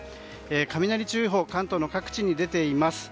雷注意報、関東に出ています。